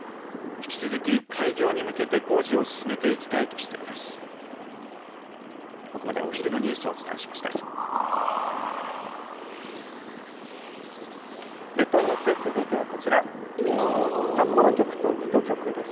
引き続き、開業に向けて工事を進めていきたいとしています。